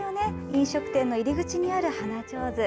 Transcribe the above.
飲食店の入り口にある花ちょうず。